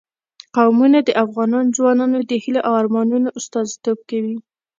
قومونه د افغان ځوانانو د هیلو او ارمانونو استازیتوب کوي.